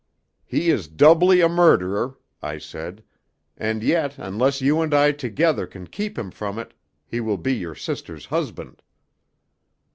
"He is doubly a murderer," I said. "And yet, unless you and I together can keep him from it, he will be your sister's husband."